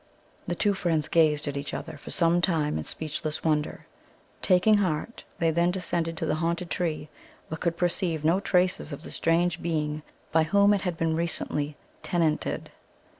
The two friends gazed at each other, for some time, in speechless wonder. Taking heart, they then descended to the haunted tree, but could perceive no traces of the strange being by whom it had been recently tenanted.